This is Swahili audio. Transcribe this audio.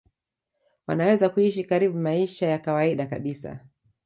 wanaweza kuishi karibu maisha ya kawaida kabisa